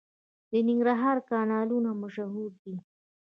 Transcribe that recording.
د ننګرهار کانالونه مشهور دي.